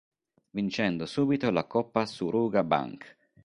Vincendo subito la Coppa Suruga Bank.